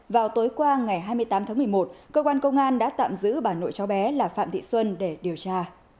vào tối qua ngày hai mươi tám tháng một mươi một cơ quan công an đã tạm giữ bà nội cháu bé là phạm thị xuân để điều tra